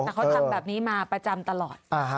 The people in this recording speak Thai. แต่เขาทำแบบนี้มาประจำตลอด